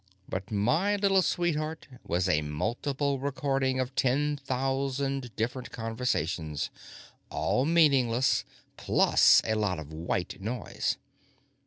But my little sweetheart was a multiple recording of ten thousand different conversations, all meaningless, plus a lot of "white" noise.